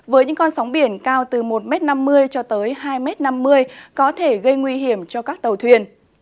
với những con sóng biển cao từ một m năm mươi cho tới hai năm mươi có thể gây nguy hiểm cho các tàu thuyền